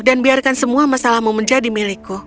dan biarkan semua masalahmu menjadi milikku